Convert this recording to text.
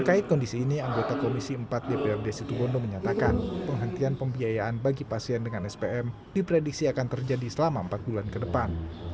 terkait kondisi ini anggota komisi empat dprd situbondo menyatakan penghentian pembiayaan bagi pasien dengan spm diprediksi akan terjadi selama empat bulan ke depan